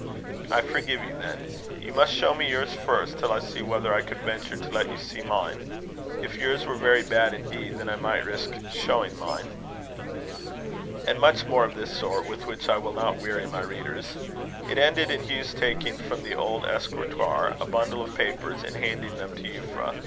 "I forgive you, then. You must show me yours first, till I see whether I could venture to let you see mine. If yours were very bad indeed, then I might risk showing mine." And much more of this sort, with which I will not weary my readers. It ended in Hugh's taking from the old escritoire a bundle of papers, and handing them to Euphra.